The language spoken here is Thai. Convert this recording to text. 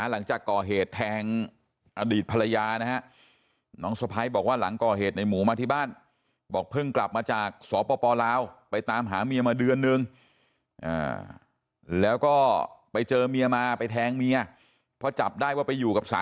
แล้วก็มือข้างหนูเขาจับหัวน้ำแล้วก็เขาเอ็ดปิดไปหน้า